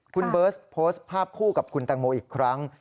คุณเบิร์ตโพสต์ภาพคู่กับคุณแตงโมอีกครั้ง